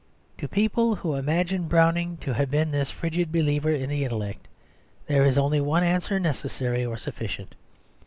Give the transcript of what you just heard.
To people who imagine Browning to have been this frigid believer in the intellect there is only one answer necessary or sufficient.